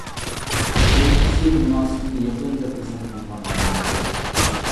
بۇ ئىككىسى مۇناسىۋىتى يېقىن دەپ ھېسابلىنىدىغان ئادەملىرى.